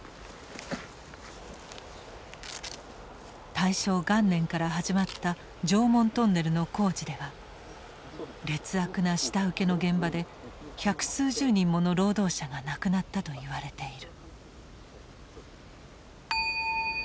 大正元年から始まった常紋トンネルの工事では劣悪な下請けの現場で百数十人もの労働者が亡くなったといわれている。